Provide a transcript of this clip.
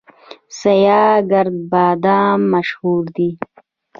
سیاه ګرد بادام مشهور دي؟